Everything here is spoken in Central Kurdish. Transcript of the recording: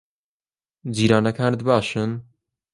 جیرانەکانت باشن؟